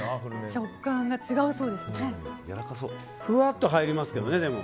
ふわっと入りますけどね。